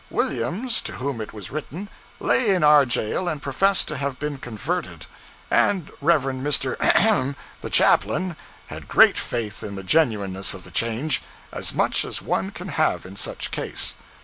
'Williams,' to whom it was written, lay in our jail and professed to have been converted, and Rev. Mr. , the chaplain, had great faith in the genuineness of the change as much as one can have in any such case.